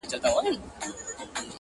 او خالق یې په لاس درکي-